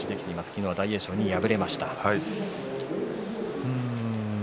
昨日は大栄翔に敗れました。